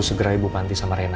segera ibu panti sama rena